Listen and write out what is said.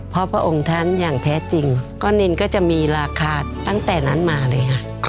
เพราะพระองค์ท่านอย่างแท้จริงก้อนนินก็จะมีราคาตั้งแต่นั้นมาเลยค่ะ